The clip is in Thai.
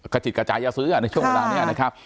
กระจิตกระจายจะซื้อในช่วงเวลานี้นะครับ